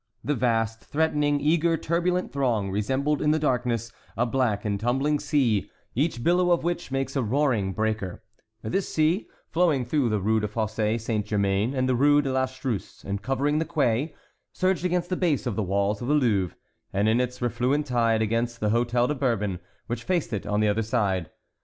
The vast, threatening, eager, turbulent throng resembled, in the darkness, a black and tumbling sea, each billow of which makes a roaring breaker; this sea, flowing through the Rue des Fossés Saint Germain and the Rue de l'Astruce and covering the quay, surged against the base of the walls of the Louvre, and, in its refluent tide, against the Hôtel de Bourbon, which faced it on the other side.